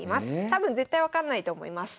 多分絶対分かんないと思います。